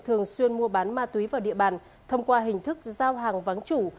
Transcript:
thường xuyên mua bán ma túy vào địa bàn thông qua hình thức giao hàng vắng chủ